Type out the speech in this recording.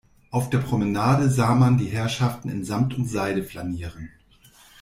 Auf der Promenade sah man die Herrschaften in Samt und Seide flanieren.